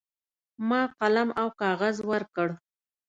ما قلم او کاغذ ورکړ.